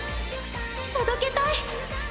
届けたい。